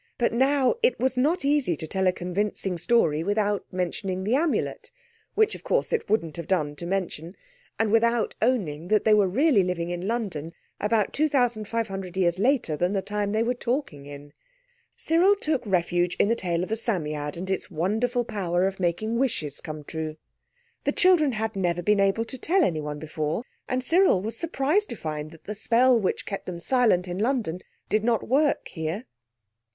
But now it was not easy to tell a convincing story without mentioning the Amulet—which, of course, it wouldn't have done to mention—and without owning that they were really living in London, about 2,500 years later than the time they were talking in. Cyril took refuge in the tale of the Psammead and its wonderful power of making wishes come true. The children had never been able to tell anyone before, and Cyril was surprised to find that the spell which kept them silent in London did not work here.